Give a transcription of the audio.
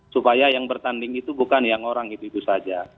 supaya yang bertanding itu bukan yang orang itu itu saja